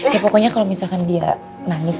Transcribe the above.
ya pokoknya kalau misalkan dia nangis